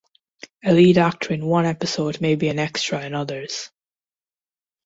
A lead actor in one episode may be an extra in others.